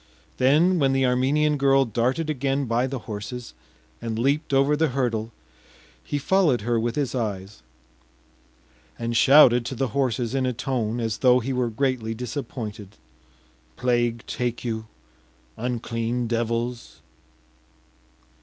Then when the Armenian girl darted again by the horses and leaped over the hurdle, he followed her with his eyes, and shouted to the horses in a tone as though he were greatly disappointed: “Plague take you, unclean devils!